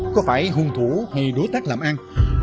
có phải hung thủ hay đối tác làm ăn